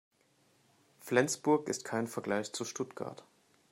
Flensburg ist kein Vergleich zu Stuttgart